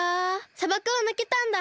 さばくをぬけたんだ。